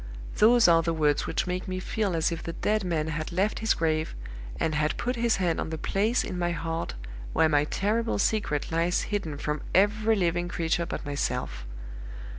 Those are the words which make me feel as if the dead man had left his grave, and had put his hand on the place in my heart where my terrible secret lies hidden from every living creature but myself.